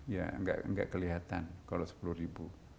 ya nggak kelihatan kalau sepuluh ribu